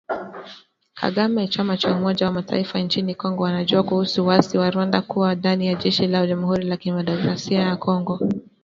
Kagame Chama cha Umoja wa Mataifa inchini Kongo wanajua kuhusu waasi wa Rwanda kuwa ndani ya jeshi la jamuhuri ya kidemokrasia ya Kongo